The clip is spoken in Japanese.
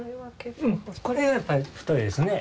これはやっぱり太いですね。